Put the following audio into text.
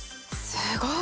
すごい！